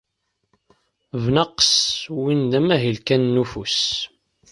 Bnaqes, win d amahil kan n ufus.